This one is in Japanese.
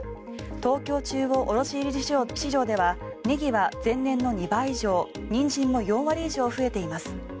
東京中央卸売市場市場ではネギは前年の２倍以上ニンジンも４割以上増えています。